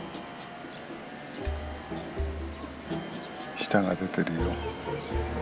舌が出てるよ。